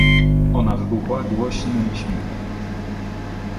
Ona wybuchała głoś nym śmiechem.